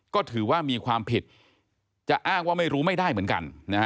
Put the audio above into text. ก็ถือว่ามีความผิดจะอ้างว่าไม่รู้ไม่ได้เหมือนกัน